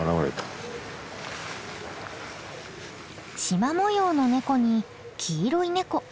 しま模様のネコに黄色いネコ。